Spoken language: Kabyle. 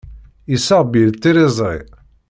Yessaɣ Bill tiliẓri.